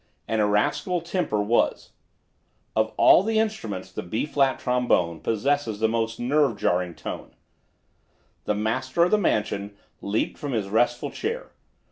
An irascible temper was. Of all instruments the B flat trombone possesses the most nerve jarring tone. The master of the mansion leaped from his restful chair.